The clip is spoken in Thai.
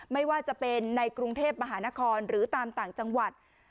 ไม่ว่าจะเป็นในกรุงเทพมหานครหรือตามต่างจังหวัด